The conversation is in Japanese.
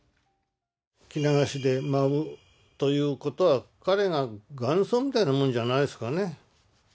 着流しで舞うということは彼が元祖みたいなもんじゃないですかね。